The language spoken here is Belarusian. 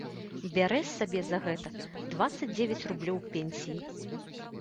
Бярэ сабе за гэта дваццаць дзевяць рублёў пенсіі.